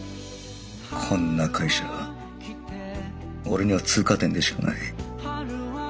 こんな会社俺には通過点でしかない。